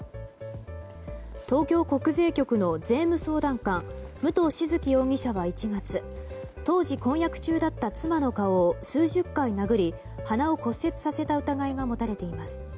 東京国税局の税務相談官武藤静城容疑者は１月当時婚約中だった妻の顔を数十回殴り鼻を骨折させた疑いが持たれています。